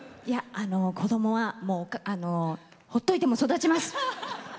子供はほっといても育ちます！